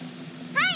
はい！